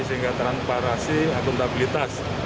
sehingga terang parasi akuntabilitas